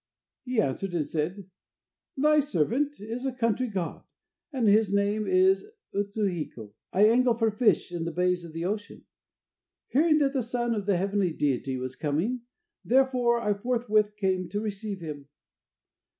He answered and said: "Thy servant is a country god, and his name is Utsuhiko. I angle for fish in the bays of ocean. Hearing that the son of the heavenly deity was coming, therefore I forthwith came to receive him."